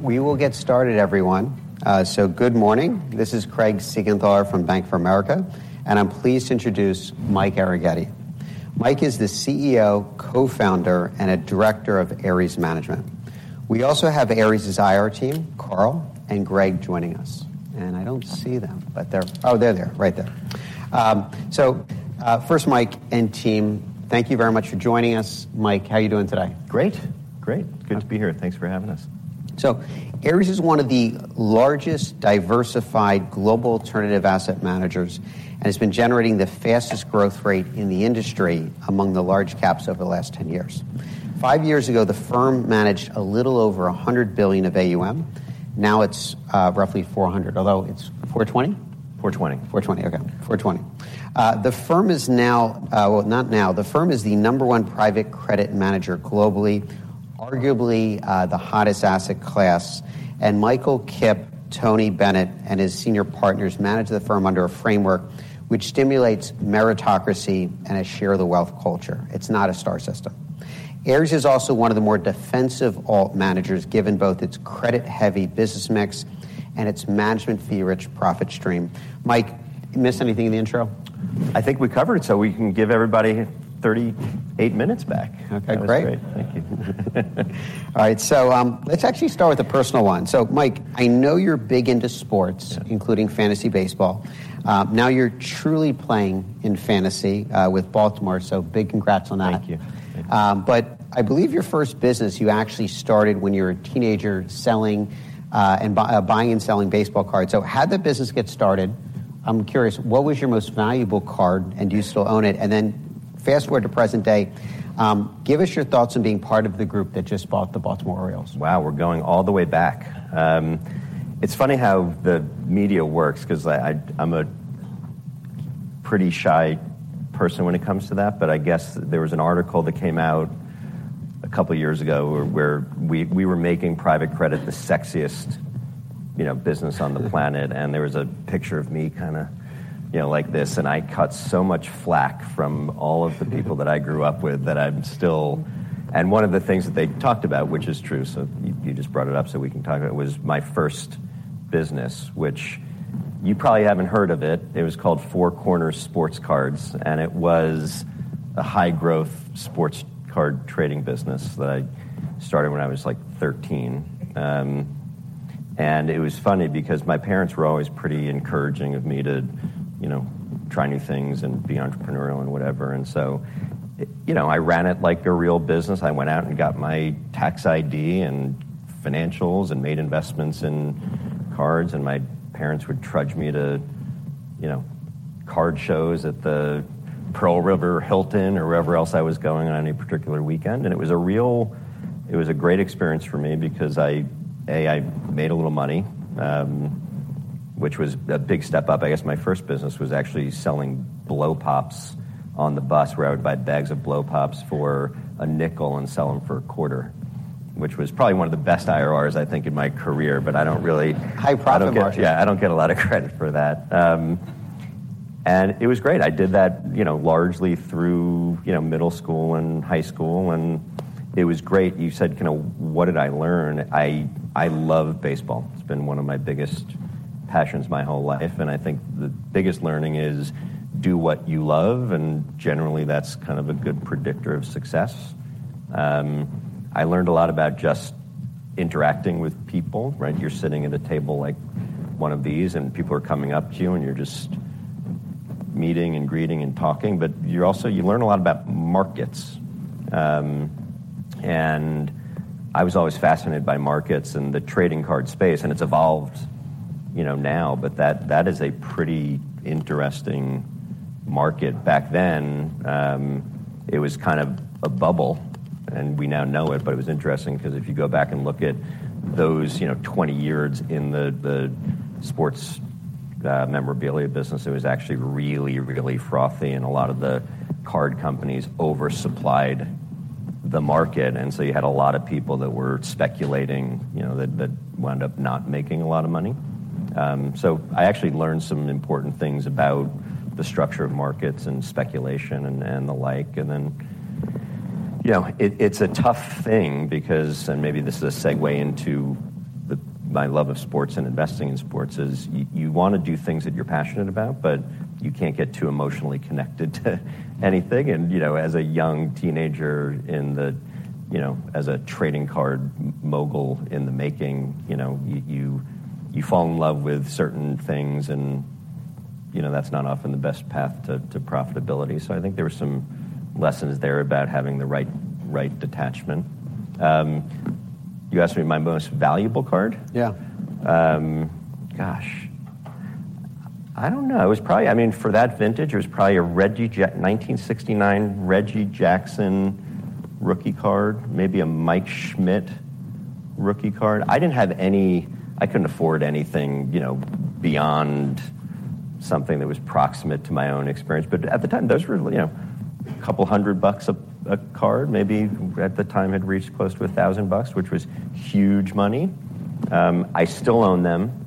We will get started, everyone. Good morning. This is Craig Siegenthaler from Bank of America, and I'm pleased to introduce Mike Arougheti. Mike is the CEO, co-founder, and a director of Ares Management. We also have Ares's IR team, Carl and Greg, joining us, and I don't see them, but they're. Oh, there they are, right there. First, Mike and team, thank you very much for joining us. Mike, how are you doing today? Great. Great. Good to be here. Thanks for having us. So Ares is one of the largest diversified global alternative asset managers and has been generating the fastest growth rate in the industry among the large caps over the last 10 years. Five years ago, the firm managed a little over $100 billion of AUM. Now it's, roughly $400, although it's $420? $420. $420. Okay, $420. The firm is now, well, not now. The firm is the number one private credit manager globally, arguably, the hottest asset class, and Michael, Kipp, Tony, Bennett, and his senior partners manage the firm under a framework which stimulates meritocracy and a share-the-wealth culture. It's not a star system. Ares is also one of the more defensive alt managers, given both its credit-heavy business mix and its management fee-rich profit stream. Mike, miss anything in the intro? I think we covered it, so we can give everybody 38 minutes back. Okay, great. That was great. Thank you. All right, so, let's actually start with a personal one. So Mike, I know you're big into sports including fantasy baseball. Now you're truly playing in fantasy, with Baltimore, so big congrats on that. Thank you. But I believe your first business, you actually started when you were a teenager, selling and buying and selling baseball cards. So how did the business get started? I'm curious, what was your most valuable card, and do you still own it? And then fast-forward to present day, give us your thoughts on being part of the group that just bought the Baltimore Orioles. Wow, we're going all the way back. It's funny how the media works 'cause I'm a pretty shy person when it comes to that, but I guess there was an article that came out a couple of years ago, where we were making private credit the sexiest, you know, business on the planet. And there was a picture of me kinda, you know, like this, and I caught so much flak from all of the people that I grew up with, that I'm still. And one of the things that they talked about, which is true, so you just brought it up so we can talk about it, was my first business which you probably haven't heard of it. It was called Four Corners Sports Cards, and it was a high-growth sports card trading business that I started when I was, like, 13. And it was funny because my parents were always pretty encouraging of me to, you know, try new things and be entrepreneurial and whatever. And so, you know, I ran it like a real business. I went out and got my tax ID and financials and made investments in cards, and my parents would trudge me to, you know, card shows at the Pearl River Hilton or wherever else I was going on any particular weekend. And it was a great experience for me because I, A, I made a little money, which was a big step up. I guess my first business was actually selling Blow Pops on the bus, where I would buy bags of Blow Pops for a nickel and sell them for a quarter, which was probably one of the best IRRs, I think, in my career, but I don't really. High profit margin. Yeah, I don't get a lot of credit for that. And it was great. I did that, you know, largely through, you know, middle school and high school, and it was great. You said, kind of, what did I learn? I love baseball. It's been one of my biggest passions my whole life, and I think the biggest learning is, do what you love, and generally, that's kind of a good predictor of success. I learned a lot about just interacting with people, right? You're sitting at a table like one of these, and people are coming up to you, and you're just meeting and greeting and talking, but you're also you learn a lot about markets. And I was always fascinated by markets and the trading card space, and it's evolved, you know, now. But that is a pretty interesting market. Back then, it was kind of a bubble, and we now know it, but it was interesting because if you go back and look at those, you know, 20 years in the sports memorabilia business, it was actually really, really frothy, and a lot of the card companies oversupplied the market. And so you had a lot of people that were speculating, you know, that wound up not making a lot of money. So I actually learned some important things about the structure of markets and speculation and the like. And then, you know, it, it's a tough thing because and maybe this is a segue into my love of sports and investing in sports, is you wanna do things that you're passionate about, but you can't get too emotionally connected to anything. And, you know, as a young teenager, you know, as a trading card mogul in the making, you know, you fall in love with certain things, and, you know, that's not often the best path to profitability. So I think there were some lessons there about having the right detachment. You asked me my most valuable card? Yeah. Gosh, I don't know. It was probably I mean, for that vintage, it was probably a 1969 Reggie Jackson rookie card, maybe a Mike Schmidt rookie card. I didn't have any I couldn't afford anything, you know, beyond something that was proximate to my own experience. But at the time, those were, you know, a couple of hundred bucks a card, maybe at the time it reached close to $1,000, which was huge money. I still own them.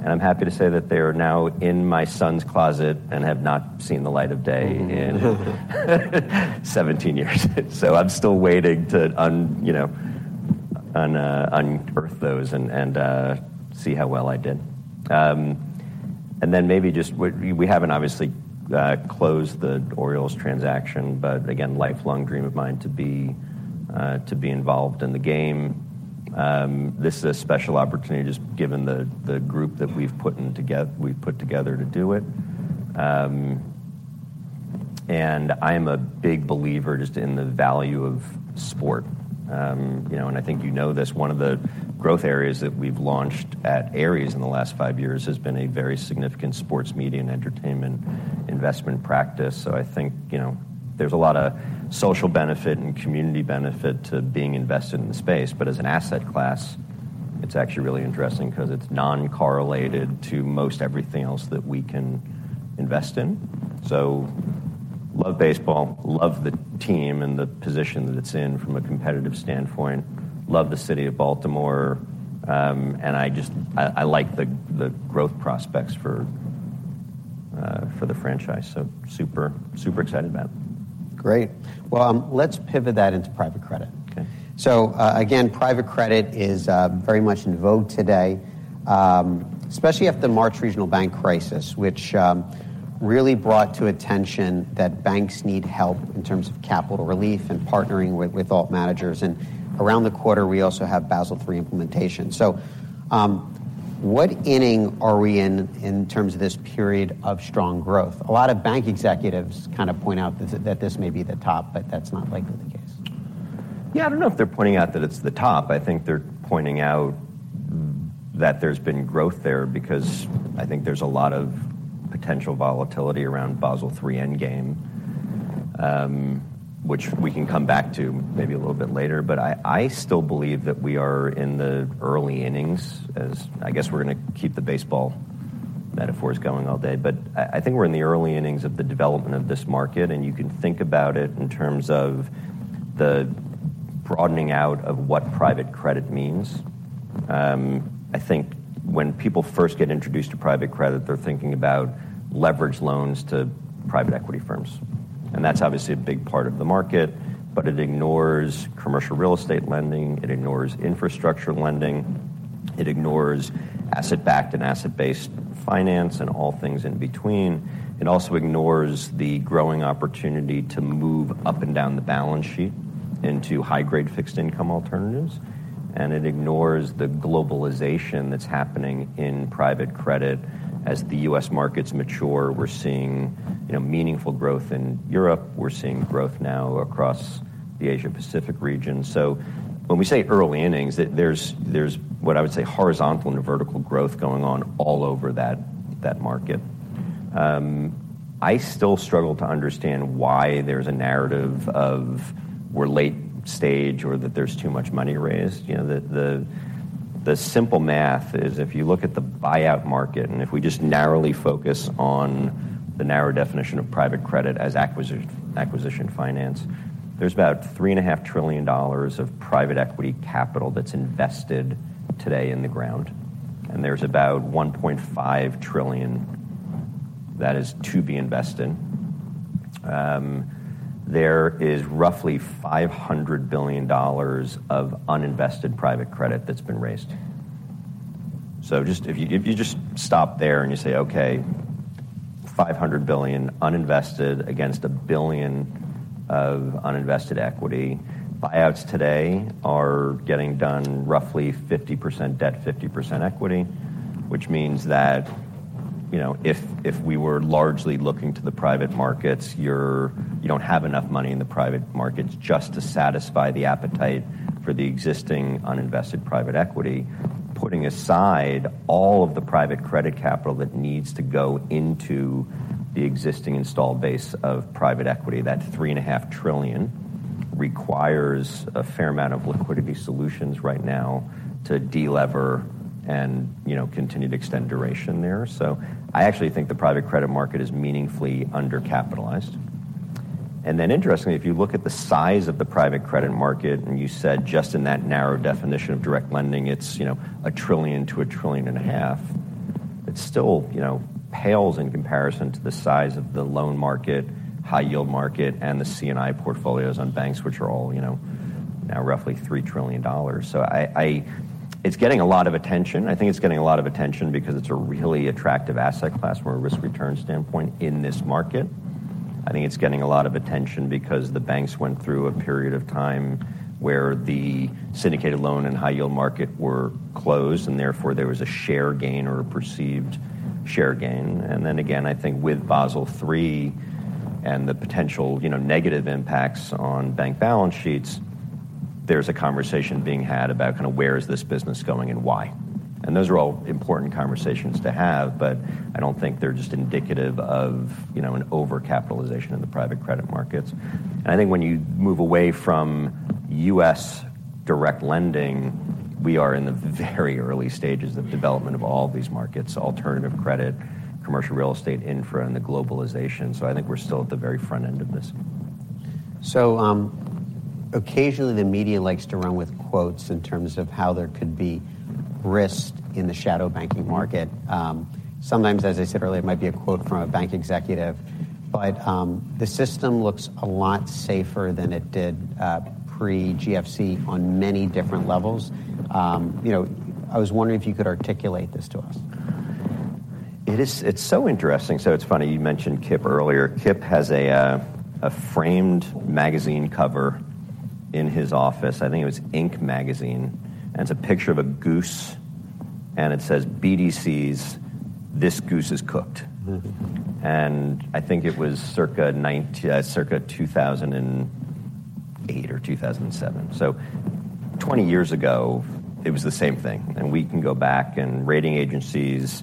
And I'm happy to say that they are now in my son's closet and have not seen the light of day in 17 years. So I'm still waiting to unearth those and see how well I did. And then maybe just we haven't obviously closed the Orioles transaction, but again, lifelong dream of mine to be involved in the game. This is a special opportunity, just given the group that we've put together to do it. And I am a big believer just in the value of sport. You know, and I think you know this, one of the growth areas that we've launched at Ares in the last five years has been a very significant sports media and entertainment investment practice. So I think, you know, there's a lot of social benefit and community benefit to being invested in the space. But as an asset class, it's actually really interesting 'cause it's non-correlated to most everything else that we can invest in. So love baseball, love the team and the position that it's in from a competitive standpoint, love the city of Baltimore, and I just like the growth prospects for the franchise, so super, super excited about it. Great. Well, let's pivot that into private credit. Okay. So, again, private credit is very much in vogue today, especially after the March regional bank crisis, which really brought to attention that banks need help in terms of capital relief and partnering with alt managers. Around the quarter, we also have Basel III implementation. What inning are we in, in terms of this period of strong growth? A lot of bank executives kind of point out that this may be the top, but that's not likely the case. Yeah, I don't know if they're pointing out that it's the top. I think they're pointing out that there's been growth there because I think there's a lot of potential volatility around Basel III Endgame, which we can come back to maybe a little bit later. But I, I still believe that we are in the early innings, as I guess we're gonna keep the baseball metaphors going all day. But I, I think we're in the early innings of the development of this market, and you can think about it in terms of the broadening out of what private credit means. I think when people first get introduced to private credit, they're thinking about leveraged loans to private equity firms, and that's obviously a big part of the market, but it ignores commercial real estate lending, it ignores infrastructure lending, it ignores asset-backed and asset-based finance and all things in between. It also ignores the growing opportunity to move up and down the balance sheet into high-grade fixed income alternatives, and it ignores the globalization that's happening in private credit. As the U.S. markets mature, we're seeing, you know, meaningful growth in Europe. We're seeing growth now across the Asia-Pacific region. So when we say early innings, there's what I would say, horizontal and vertical growth going on all over that market. I still struggle to understand why there's a narrative of we're late stage or that there's too much money raised. You know, the simple math is if you look at the buyout market, and if we just narrowly focus on the narrow definition of private credit as acquisition finance, there's about $3.5 trillion of private equity capital that's invested today in the ground, and there's about $1.5 trillion that is to be invested. There is roughly $500 billion of uninvested private credit that's been raised. So just If you, if you just stop there and you say, "Okay, $500 billion uninvested against $1 billion of uninvested equity," buyouts today are getting done roughly 50% debt, 50% equity, which means that, you know, if, if we were largely looking to the private markets, you're you don't have enough money in the private markets just to satisfy the appetite for the existing uninvested private equity. Putting aside all of the private credit capital that needs to go into the existing installed base of private equity, that $3.5 trillion requires a fair amount of liquidity solutions right now to de-lever and, you know, continue to extend duration there. So I actually think the private credit market is meaningfully undercapitalized. And then interestingly, if you look at the size of the private credit market, and you said just in that narrow definition of direct lending, it's, you know, $1 trillion-$1.5 trillion, it still, you know, pales in comparison to the size of the loan market, high yield market, and the C&I portfolios on banks, which are all, you know, now roughly $3 trillion. So, it's getting a lot of attention. I think it's getting a lot of attention because it's a really attractive asset class from a risk-return standpoint in this market. I think it's getting a lot of attention because the banks went through a period of time where the syndicated loan and high yield market were closed, and therefore, there was a share gain or a perceived share gain. And then again, I think with Basel III and the potential, you know, negative impacts on bank balance sheets, there's a conversation being had about kind of where is this business going and why. And those are all important conversations to have, but I don't think they're just indicative of, you know, an overcapitalization in the private credit markets. I think when you move away from U.S. direct lending, we are in the very early stages of development of all these markets: alternative credit, commercial real estate, infra, and the globalization. I think we're still at the very front end of this. So, occasionally the media likes to run with quotes in terms of how there could be risk in the shadow banking market. Sometimes, as I said earlier, it might be a quote from a bank executive, but the system looks a lot safer than it did pre-GFC on many different levels. You know, I was wondering if you could articulate this to us. It's so interesting. So it's funny you mentioned Kipp earlier. Kipp has a, a framed magazine cover in his office. I think it was Inc. magazine, and it's a picture of a goose, and it says, "BDCs, this goose is cooked. And I think it was circa ninety, circa 2008 or 2007. Twenty years ago, it was the same thing, and we can go back and rating agencies,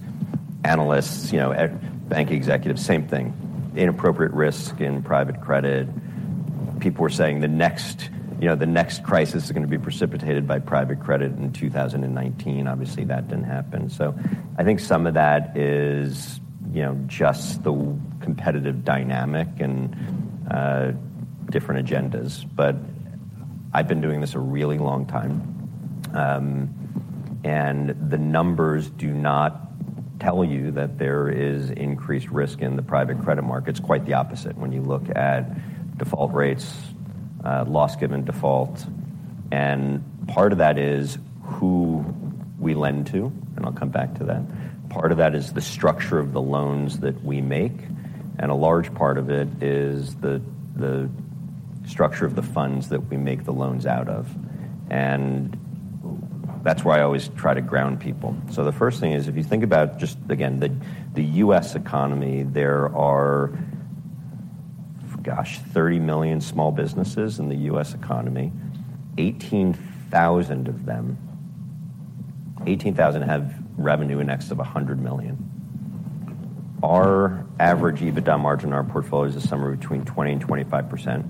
analysts, you know, e.g., bank executives, same thing. Inappropriate risk in private credit. People were saying the next, you know, the next crisis is gonna be precipitated by private credit in 2019. Obviously, that didn't happen. I think some of that is, you know, just the competitive dynamic and different agendas. But I've been doing this a really long time, and the numbers do not tell you that there is increased risk in the private credit markets. Quite the opposite, when you look at default rates, loss given default, and part of that is who we lend to, and I'll come back to that. Part of that is the structure of the loans that we make, and a large part of it is the structure of the funds that we make the loans out of. That's why I always try to ground people. So the first thing is, if you think about just again the US economy, there are, gosh, 30 million small businesses in the US economy. 18,000 of them, 18,000 have revenue in excess of $100 million. Our average EBITDA margin in our portfolio is somewhere between 20% and 25%.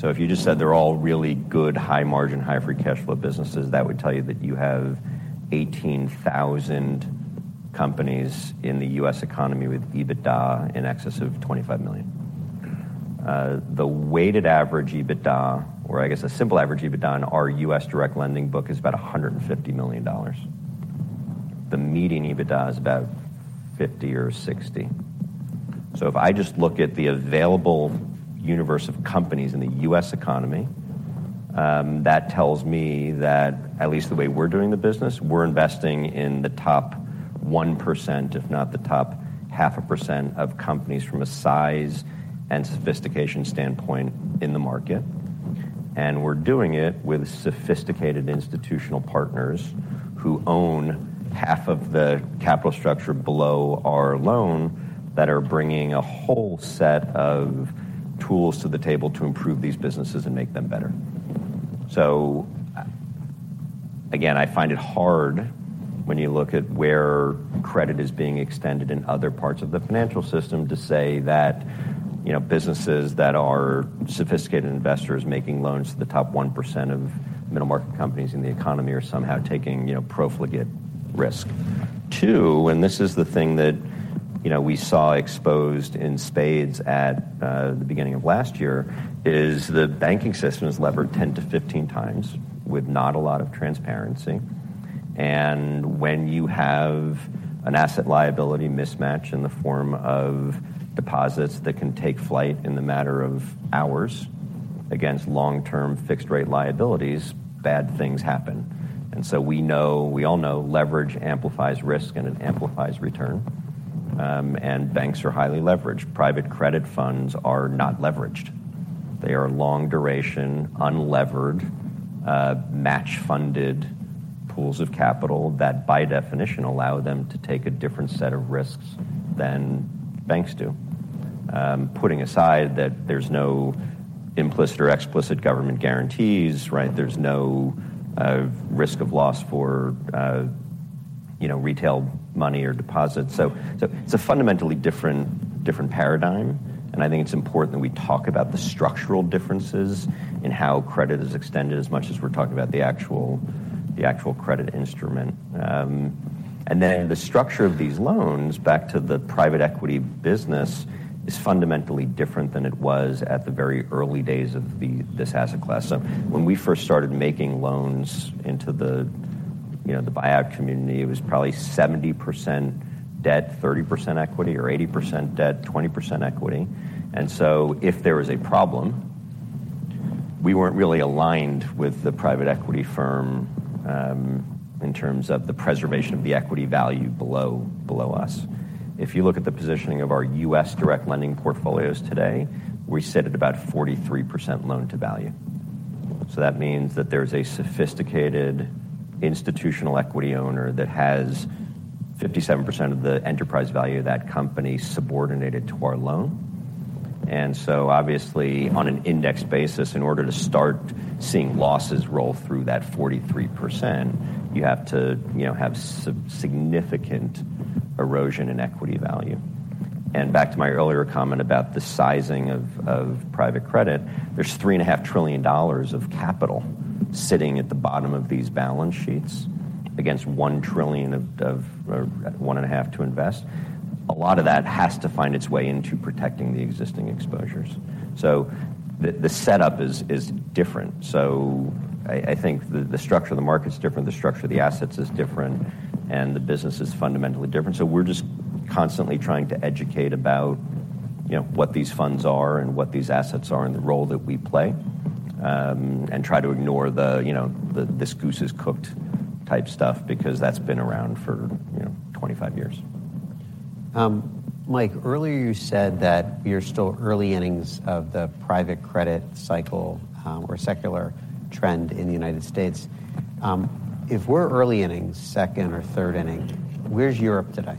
So if you just said they're all really good, high margin, high free cash flow businesses, that would tell you that you have 18,000 companies in the US economy with EBITDA in excess of $25 million. The weighted average EBITDA, or I guess a simple average EBITDA in our U.S. direct lending book is about $150 million. The median EBITDA is about $50 million or $60 million. So if I just look at the available universe of companies in the U.S. economy, that tells me that at least the way we're doing the business, we're investing in the top 1%, if not the top 0.5% of companies from a size and sophistication standpoint in the market. And we're doing it with sophisticated institutional partners who own half of the capital structure below our loan, that are bringing a whole set of tools to the table to improve these businesses and make them better. So, again, I find it hard when you look at where credit is being extended in other parts of the financial system, to say that, you know, businesses that are sophisticated investors making loans to the top 1% of middle-market companies in the economy are somehow taking, you know, profligate risk. Two, and this is the thing that, you know, we saw exposed in spades at the beginning of last year, is the banking system is levered 10-15 times with not a lot of transparency. And when you have an asset liability mismatch in the form of deposits that can take flight in the matter of hours against long-term fixed rate liabilities, bad things happen. And so we know, we all know leverage amplifies risk, and it amplifies return. And banks are highly leveraged. Private credit funds are not leveraged. They are long duration, unlevered, match-funded pools of capital that by definition, allow them to take a different set of risks than banks do. Putting aside that there's no implicit or explicit government guarantees, right? There's no risk of loss for you know, retail money or deposits. So it's a fundamentally different paradigm, and I think it's important that we talk about the structural differences in how credit is extended, as much as we're talking about the actual credit instrument. And then the structure of these loans, back to the private equity business, is fundamentally different than it was at the very early days of this asset class. So when we first started making loans into the you know, the buyout community, it was probably 70% debt, 30% equity, or 80% debt, 20% equity. And so if there was a problem, we weren't really aligned with the private equity firm, in terms of the preservation of the equity value below, below us. If you look at the positioning of our U.S. direct lending portfolios today, we sit at about 43% loan-to-value. So that means that there's a sophisticated institutional equity owner that has 57% of the enterprise value of that company subordinated to our loan. And so obviously, on an index basis, in order to start seeing losses roll through that 43%, you have to, you know, have significant erosion in equity value. And back to my earlier comment about the sizing of private credit, there's $3.5 trillion of capital sitting at the bottom of these balance sheets against $1 trillion of $1.5 trillion to invest. A lot of that has to find its way into protecting the existing exposures. So the setup is different. So I think the structure of the market is different, the structure of the assets is different, and the business is fundamentally different. So we're just constantly trying to educate about, you know, what these funds are and what these assets are, and the role that we play, and try to ignore the, you know, the, "This goose is cooked" type stuff, because that's been around for, you know, 25 years. Mike, earlier you said that you're still early innings of the private credit cycle, or secular trend in the United States. If we're early innings, second or third inning, where's Europe today?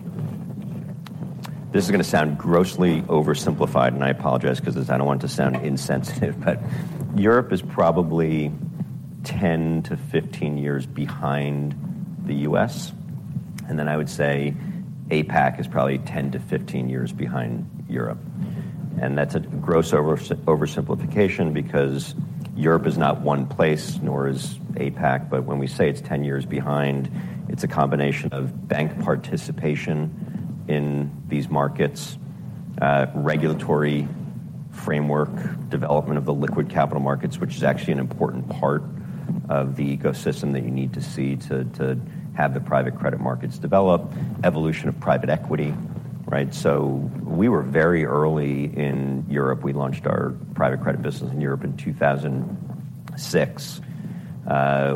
This is gonna sound grossly oversimplified, and I apologize, 'cause I don't want to sound insensitive but Europe is probably 10-15 years behind the U.S., and then I would say APAC is probably 10-15 years behind Europe. That's a gross oversimplification, because Europe is not one place, nor is APAC. When we say it's 10 years behind, it's a combination of bank participation in these markets, regulatory framework, development of the liquid capital markets, which is actually an important part of the ecosystem that you need to see to have the private credit markets develop, evolution of private equity, right? We were very early in Europe. We launched our private credit business in Europe in 2006,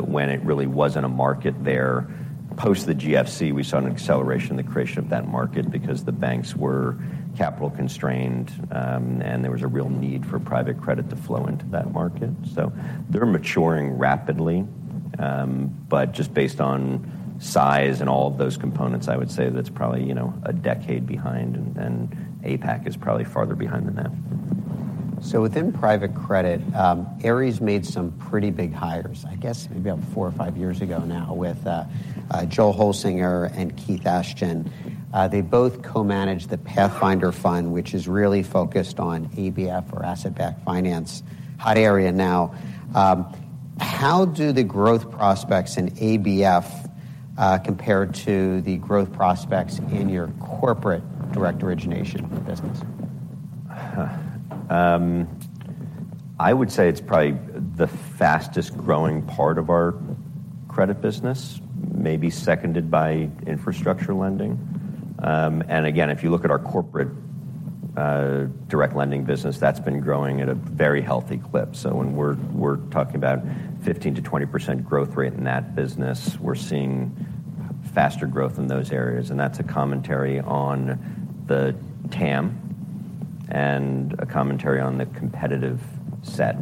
when it really wasn't a market there. Post the GFC, we saw an acceleration in the creation of that market because the banks were capital constrained, and there was a real need for private credit to flow into that market. So they're maturing rapidly, but just based on size and all of those components, I would say that's probably, you know, a decade behind, and APAC is probably farther behind than that. So within private credit, Ares made some pretty big hires, I guess maybe about four or five years ago now with, Joel Holsinger and Keith Ashton. They both co-manage the Pathfinder Fund, which is really focused on ABF or asset-backed finance. Hot area now. How do the growth prospects in ABF, compare to the growth prospects in your corporate direct origination business? I would say it's probably the fastest growing part of our credit business, maybe seconded by infrastructure lending. And again, if you look at our corporate direct lending business, that's been growing at a very healthy clip. So when we're talking about 15%-20% growth rate in that business, we're seeing faster growth in those areas, and that's a commentary on the TAM and a commentary on the competitive set.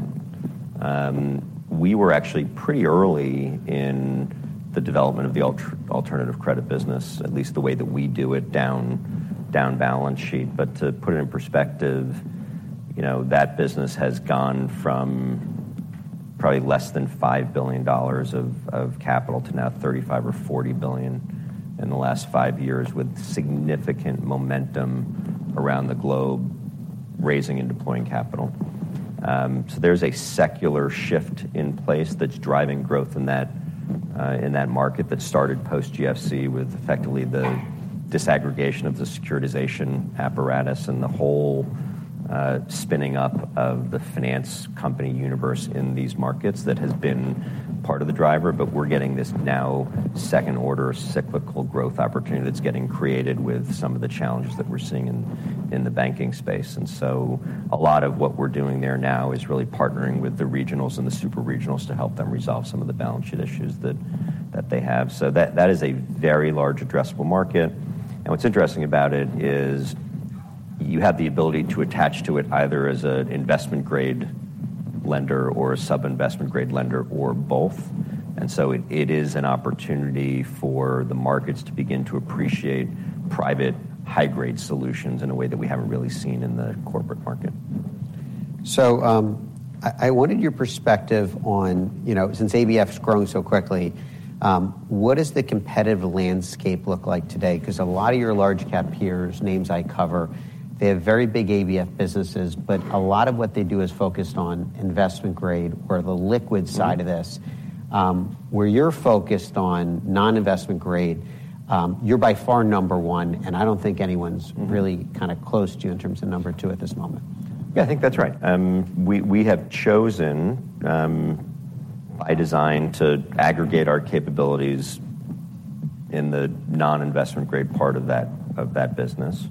We were actually pretty early in the development of the alternative credit business, at least the way that we do it, down balance sheet. But to put it in perspective, you know, that business has gone from probably less than $5 billion of capital to now $35 billion or $40 billion in the last five years, with significant momentum around the globe, raising and deploying capital. So there's a secular shift in place that's driving growth in that, in that market that started post GFC, with effectively the disaggregation of the securitization apparatus and the whole, spinning up of the finance company universe in these markets. That has been part of the driver, but we're getting this now second order, cyclical growth opportunity that's getting created with some of the challenges that we're seeing in, in the banking space. And so a lot of what we're doing there now is really partnering with the regionals and the super regionals to help them resolve some of the balance sheet issues that, that they have. So that, that is a very large addressable market, and what's interesting about it is, you have the ability to attach to it either as an investment-grade lender or a sub-investment grade lender, or both. And so it is an opportunity for the markets to begin to appreciate private high-grade solutions in a way that we haven't really seen in the corporate market. So, I wanted your perspective on you know, since ABF's growing so quickly, what does the competitive landscape look like today? 'Cause a lot of your large cap peers, names I cover, they have very big ABF businesses, but a lot of what they do is focused on investment grade or the liquid side of this. Where you're focused on non-investment grade, you're by far number one, and I don't think anyone's really kind of close to you in terms of number two at this moment. Yeah, I think that's right. We have chosen, by design, to aggregate our capabilities in the non-investment grade part of that business.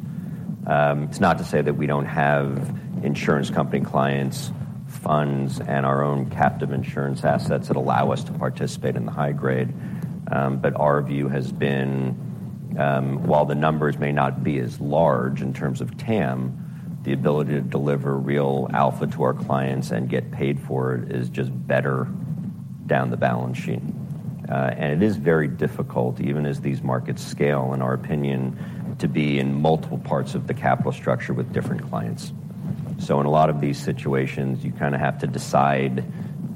It's not to say that we don't have insurance company clients, funds, and our own captive insurance assets that allow us to participate in the high grade. But our view has been, while the numbers may not be as large in terms of TAM, the ability to deliver real alpha to our clients and get paid for it is just better down the balance sheet. And it is very difficult, even as these markets scale, in our opinion, to be in multiple parts of the capital structure with different clients. So in a lot of these situations, you kind of have to decide,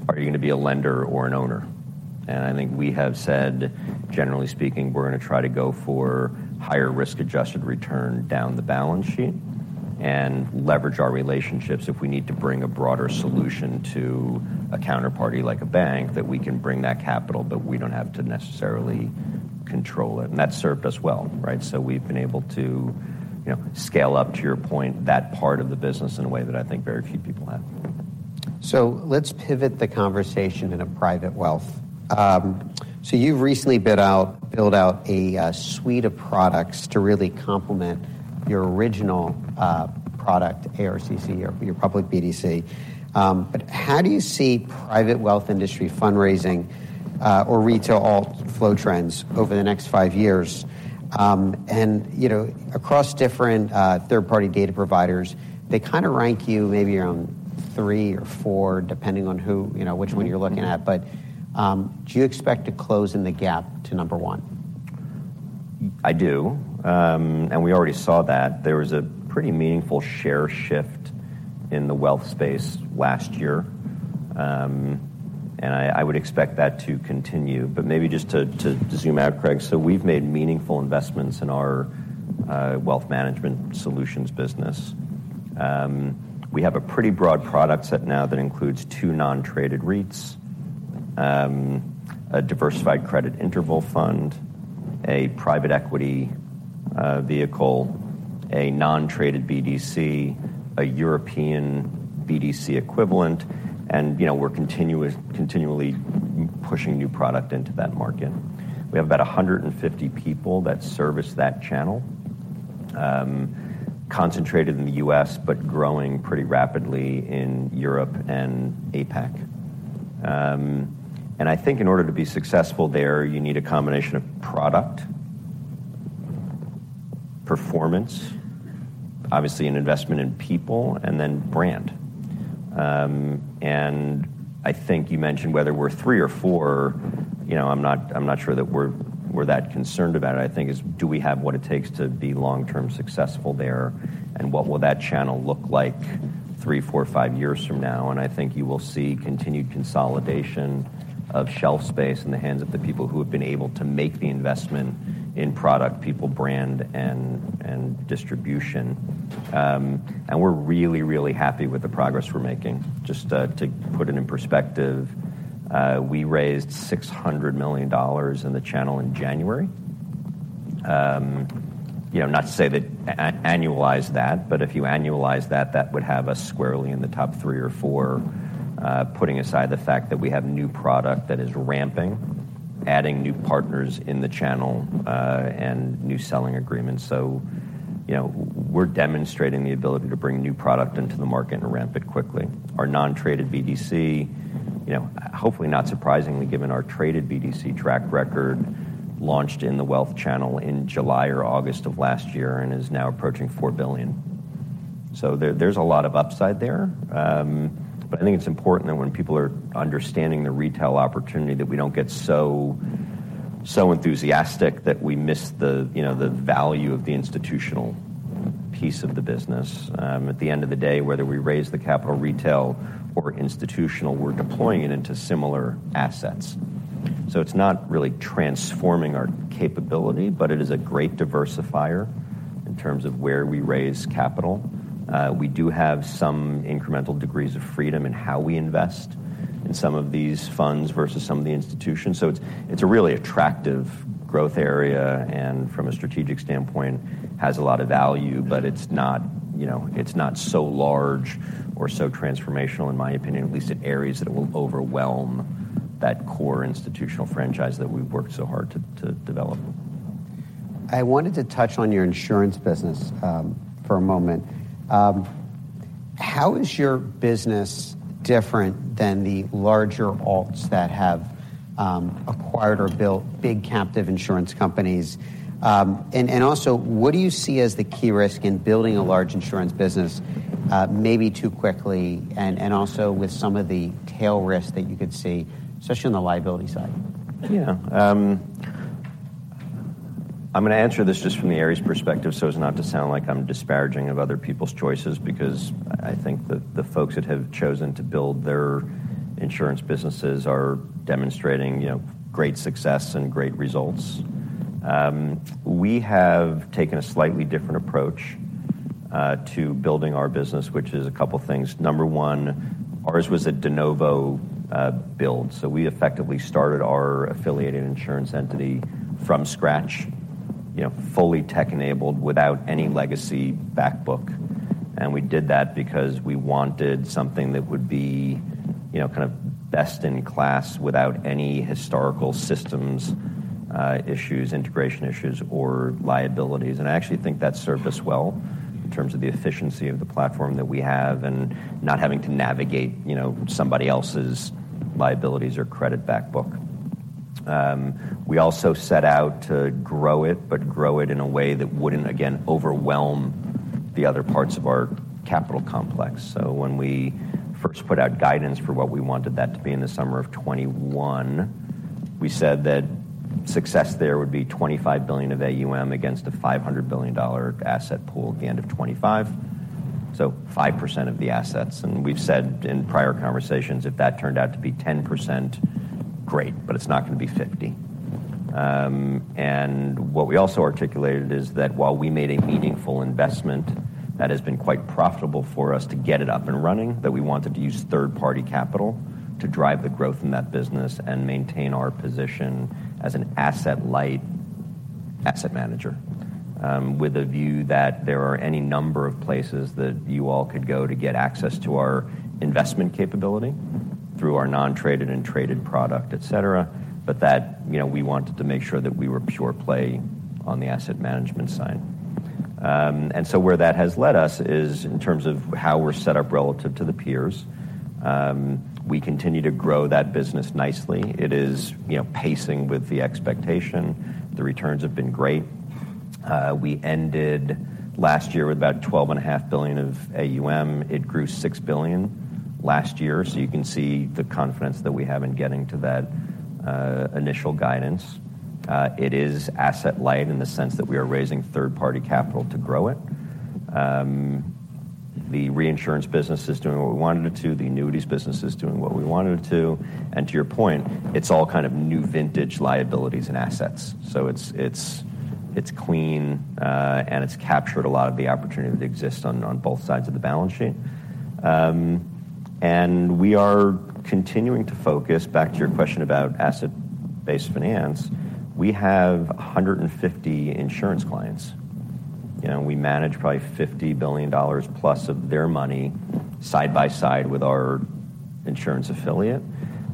are you going to be a lender or an owner? I think we have said, generally speaking, we're going to try to go for higher risk-adjusted return down the balance sheet, and leverage our relationships if we need to bring a broader solution to a counterparty, like a bank, that we can bring that capital, but we don't have to necessarily control it. And that's served us well, right? So we've been able to, you know, scale up, to your point, that part of the business in a way that I think very few people have. So let's pivot the conversation into private wealth. So you've recently built out a suite of products to really complement your original product, ARCC, or your public BDC. But how do you see private wealth industry fundraising or retail alt flow trends over the next five years? And, you know, across different third-party data providers, they kinda rank you maybe around three or four, depending on who, you know, which one you're looking at. But do you expect to close in the gap to number one? I do. And we already saw that. There was a pretty meaningful share shift in the wealth space last year. And I would expect that to continue. But maybe just to zoom out, Craig, so we've made meaningful investments in our wealth management solutions business. We have a pretty broad product set now that includes two non-traded REITs, a diversified credit interval fund, a private equity vehicle, a non-traded BDC, a European BDC equivalent, and, you know, we're continually pushing new product into that market. We have about 150 people that service that channel, concentrated in the U.S., but growing pretty rapidly in Europe and APAC. And I think in order to be successful there, you need a combination of product, performance, obviously an investment in people, and then brand. And I think you mentioned whether we're three or four, you know, I'm not, I'm not sure that we're, we're that concerned about it. I think it's, do we have what it takes to be long-term successful there, and what will that channel look like three, four, or five years from now? And I think you will see continued consolidation of shelf space in the hands of the people who have been able to make the investment in product, people, brand, and, and distribution. And we're really, really happy with the progress we're making. Just, to put it in perspective, we raised $600 million in the channel in January. You know, not to say that annualize that, but if you annualize that, that would have us squarely in the top three or four, putting aside the fact that we have new product that is ramping, adding new partners in the channel, and new selling agreements. So, you know, we're demonstrating the ability to bring new product into the market and ramp it quickly. Our non-traded BDC, you know, hopefully, not surprisingly, given our traded BDC track record, launched in the wealth channel in July or August of last year and is now approaching $4 billion. So there, there's a lot of upside there. But I think it's important that when people are understanding the retail opportunity, that we don't get so, so enthusiastic that we miss the, you know, the value of the institutional piece of the business. At the end of the day, whether we raise the capital, retail or institutional, we're deploying it into similar assets. So it's not really transforming our capability, but it is a great diversifier in terms of where we raise capital. We do have some incremental degrees of freedom in how we invest in some of these funds versus some of the institutions. So it's, it's a really attractive growth area, and from a strategic standpoint, has a lot of value, but it's not, you know, it's not so large or so transformational, in my opinion, at least in areas that it will overwhelm that core institutional franchise that we've worked so hard to, to develop. I wanted to touch on your insurance business, for a moment. How is your business different than the larger alts that have acquired or built big captive insurance companies? And also, what do you see as the key risk in building a large insurance business, maybe too quickly, and also with some of the tail risk that you could see, especially on the liability side? Yeah. I'm gonna answer this just from the Ares perspective, so as not to sound like I'm disparaging of other people's choices because I think that the folks that have chosen to build their insurance businesses are demonstrating, you know, great success and great results. We have taken a slightly different approach to building our business, which is a couple things. Number one, ours was a de novo build, so we effectively started our affiliated insurance entity from scratch, you know, fully tech-enabled, without any legacy back book. And we did that because we wanted something that would be, you know, kind of best in class without any historical systems issues, integration issues, or liabilities. I actually think that served us well in terms of the efficiency of the platform that we have and not having to navigate, you know, somebody else's liabilities or credit backbook. We also set out to grow it, but grow it in a way that wouldn't, again, overwhelm the other parts of our capital complex. So when we first put out guidance for what we wanted that to be in the summer of 2021, we said that success there would be $25 billion of AUM against a $500 billion asset pool at the end of 2025, so 5% of the assets. And we've said in prior conversations, if that turned out to be 10%, great, but it's not gonna be 50%. And what we also articulated is that while we made a meaningful investment, that has been quite profitable for us to get it up and running, that we wanted to use third-party capital to drive the growth in that business and maintain our position as an asset-light asset manager. With a view that there are any number of places that you all could go to get access to our investment capability through our non-traded and traded product, et cetera, but that, you know, we wanted to make sure that we were pure play on the asset management side. And so where that has led us is, in terms of how we're set up relative to the peers, we continue to grow that business nicely. It is, you know, pacing with the expectation. The returns have been great. We ended last year with about $12.5 billion of AUM. It grew $6 billion last year, so you can see the confidence that we have in getting to that initial guidance. It is asset-light in the sense that we are raising third-party capital to grow it. The reinsurance business is doing what we want it to do. The annuities business is doing what we want it to. And to your point, it's all kind of new vintage liabilities and assets. So it's clean, and it's captured a lot of the opportunity that exists on both sides of the balance sheet. And we are continuing to focus, back to your question about asset-based finance, we have 150 insurance clients. You know, we manage probably $50 billion plus of their money side by side with our insurance affiliate,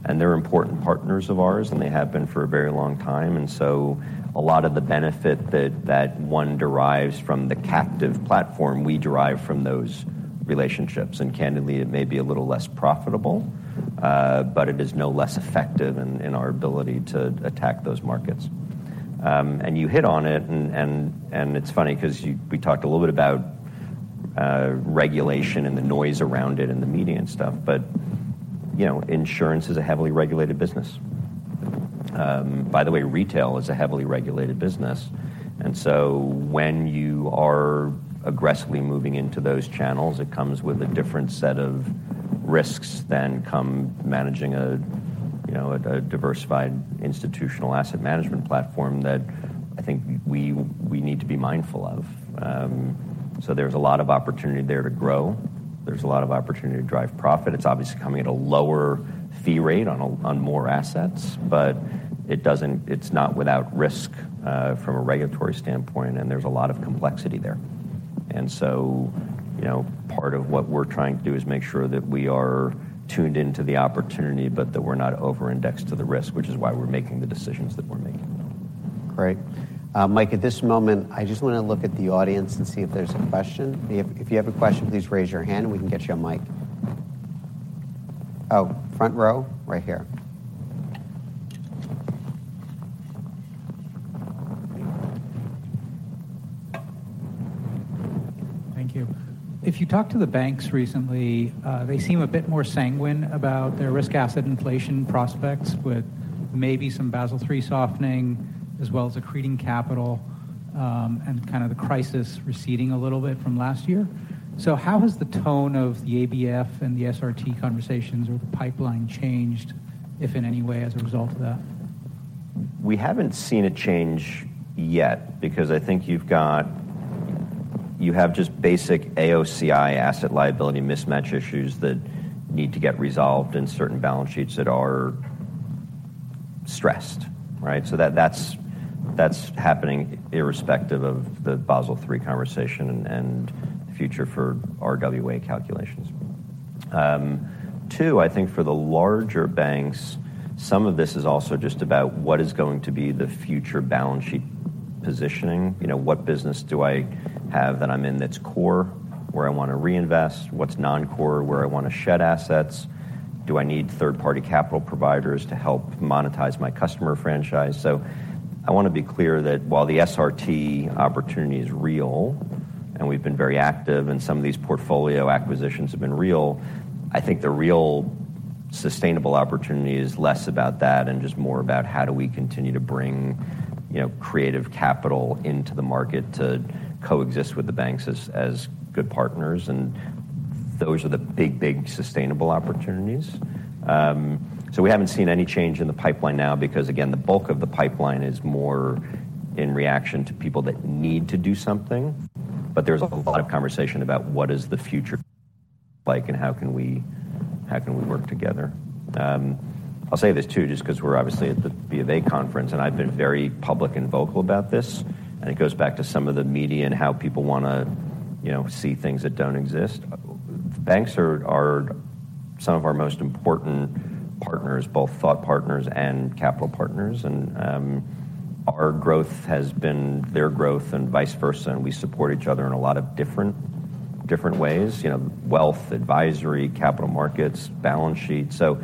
and they're important partners of ours, and they have been for a very long time. And so a lot of the benefit that one derives from the captive platform, we derive from those relationships. And candidly, it may be a little less profitable, but it is no less effective in our ability to attack those markets. And you hit on it, and it's funny 'cause we talked a little bit about regulation and the noise around it in the media and stuff, but, you know, insurance is a heavily regulated business. By the way, retail is a heavily regulated business, and so when you are aggressively moving into those channels, it comes with a different set of risks than come managing a, you know, a diversified institutional asset management platform that I think we need to be mindful of. So there's a lot of opportunity there to grow. There's a lot of opportunity to drive profit. It's obviously coming at a lower fee rate on a- on more assets, but it doesn't. It's not without risk, from a regulatory standpoint, and there's a lot of complexity there. And so, you know, part of what we're trying to do is make sure that we are tuned into the opportunity, but that we're not over-indexed to the risk, which is why we're making the decisions that we're making. Great. Mike, at this moment, I just want to look at the audience and see if there's a question. If, if you have a question, please raise your hand, and we can get you a mic. Oh, front row, right here. Thank you. If you talk to the banks recently, they seem a bit more sanguine about their risk asset inflation prospects, with maybe some Basel III softening, as well as accreting capital, and kind of the crisis receding a little bit from last year. So how has the tone of the ABF and the SRT conversations or the pipeline changed, if in any way, as a result of that? We haven't seen a change yet, because I think you have just basic AOCI asset liability mismatch issues that need to get resolved in certain balance sheets that are stressed, right? So that's happening irrespective of the Basel III conversation and the future for RWA calculations. Two, I think for the larger banks, some of this is also just about what is going to be the future balance sheet positioning. You know, what business do I have that I'm in that's core, where I want to reinvest? What's non-core, where I want to shed assets? Do I need third-party capital providers to help monetize my customer franchise? So I want to be clear that while the SRT opportunity is real, and we've been very active, and some of these portfolio acquisitions have been real, I think the real sustainable opportunity is less about that and just more about how do we continue to bring, you know, creative capital into the market to coexist with the banks as, as good partners, and those are the big, big, sustainable opportunities. So we haven't seen any change in the pipeline now, because, again, the bulk of the pipeline is more in reaction to people that need to do something. But there's a lot of conversation about what is the future like and how can we, how can we work together. I'll say this, too, just 'cause we're obviously at the BofA conference, and I've been very public and vocal about this, and it goes back to some of the media and how people wanna, you know, see things that don't exist. Banks are some of our most important partners, both thought partners and capital partners, and our growth has been their growth and vice versa, and we support each other in a lot of different, different ways. You know, wealth, advisory, capital markets, balance sheets. So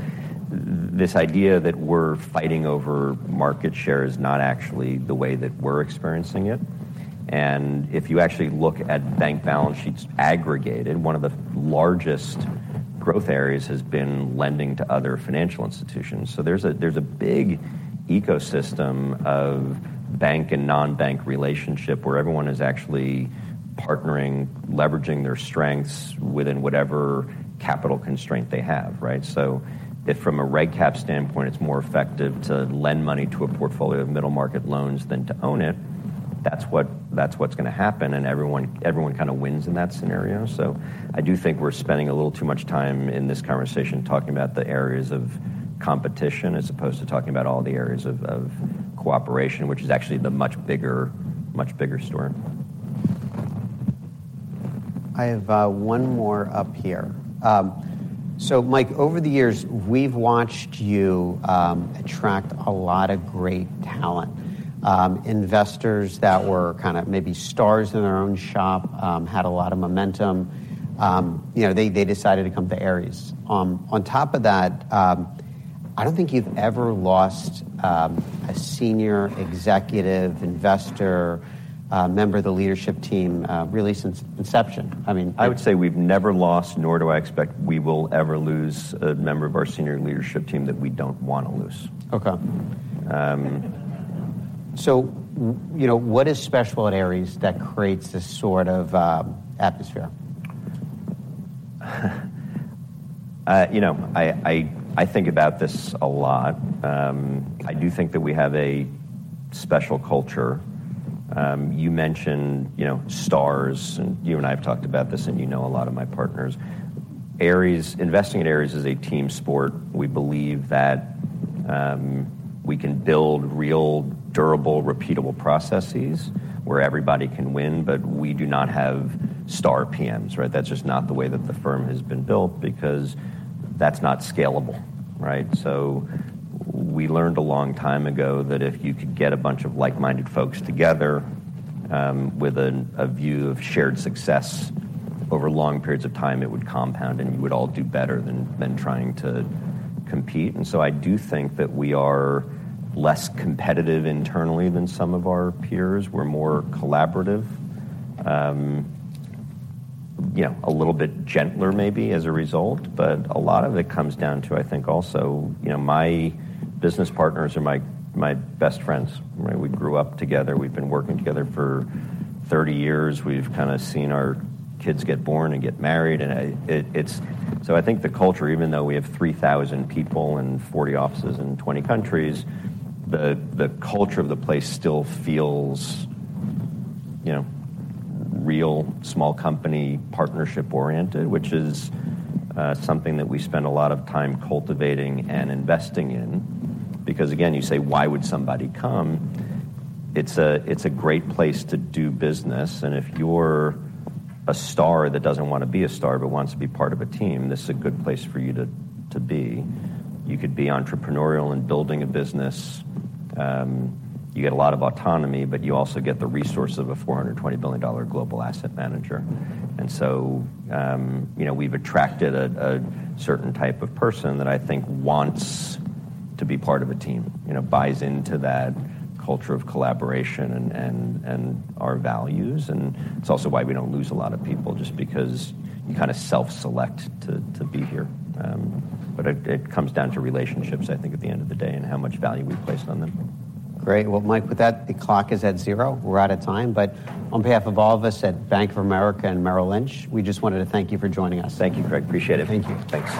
this idea that we're fighting over market share is not actually the way that we're experiencing it. And if you actually look at bank balance sheets aggregated, one of the largest growth areas has been lending to other financial institutions. So there's a big ecosystem of bank and non-bank relationship, where everyone is actually partnering, leveraging their strengths within whatever capital constraint they have, right? So if from a reg cap standpoint, it's more effective to lend money to a portfolio of middle market loans than to own it, that's what, that's what's gonna happen, and everyone, everyone kinda wins in that scenario. So I do think we're spending a little too much time in this conversation talking about the areas of competition, as opposed to talking about all the areas of, of cooperation, which is actually the much bigger, much bigger story. I have one more up here. So Mike, over the years, we've watched you attract a lot of great talent. Investors that were kinda maybe stars in their own shop had a lot of momentum, you know, they decided to come to Ares. On top of that, I don't think you've ever lost a senior executive, investor, a member of the leadership team, really since inception. I mean. I would say we've never lost, nor do I expect we will ever lose a member of our senior leadership team that we don't wanna lose. Okay. You know, what is special at Ares that creates this sort of atmosphere? You know, I think about this a lot. I do think that we have a special culture. You mentioned, you know, stars, and you and I have talked about this, and you know a lot of my partners. Ares investing in Ares is a team sport. We believe that we can build real, durable, repeatable processes where everybody can win, but we do not have star PMs, right? That's just not the way that the firm has been built, because that's not scalable, right? So we learned a long time ago that if you could get a bunch of like-minded folks together, with a view of shared success over long periods of time, it would compound, and you would all do better than trying to compete. So I do think that we are less competitive internally than some of our peers. We're more collaborative. You know, a little bit gentler, maybe, as a result. But a lot of it comes down to, I think, also, you know, my business partners are my, my best friends, right? We grew up together. We've been working together for 30 years. We've kinda seen our kids get born and get married, so I think the culture, even though we have 3,000 people and 40 offices in 20 countries, the culture of the place still feels, you know, real small company, partnership-oriented, which is something that we spend a lot of time cultivating and investing in. Because, again, you say, "Why would somebody come?" It's a great place to do business, and if you're a star that doesn't wanna be a star, but wants to be part of a team, this is a good place for you to be. You could be entrepreneurial in building a business. You get a lot of autonomy, but you also get the resource of a $420 billion global asset manager. And so, you know, we've attracted a certain type of person that I think wants to be part of a team, you know, buys into that culture of collaboration and our values. And it's also why we don't lose a lot of people, just because you kinda self-select to be here. But it comes down to relationships, I think, at the end of the day, and how much value we place on them. Great. Well, Mike, with that, the clock is at zero. We're out of time, but on behalf of all of us at Bank of America and Merrill Lynch, we just wanted to thank you for joining us. Thank you, Craig. Appreciate it. Thank you. Thanks.